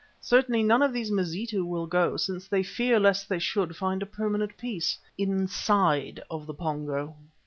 Certainly none of these Mazitu will go, since they fear lest they should find a permanent peace inside of the Pongo.